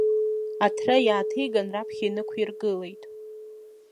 Аҭра иааҭиган, раԥхьа инықәиргылеит.